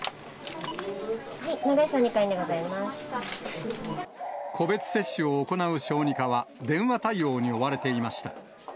はい、個別接種を行う小児科は電話対応に追われていました。